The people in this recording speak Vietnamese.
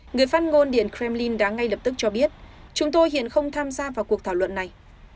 người phát ngôn điện kremlin đã ngay lập tức cho biết chúng tôi hiện không tham gia vào cuộc thảo luận này